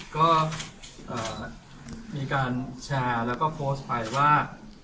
ก็มีการแชร์แล้วก็โพสต์ไปว่า